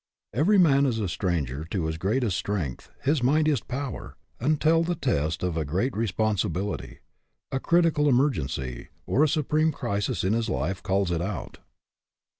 Every man is a stranger to his greatest strength, his mightiest power, until the test of a great responsibility, a critical emergency, or a supreme crisis in his life, calls it out.